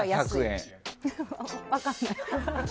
えっ、分かんない。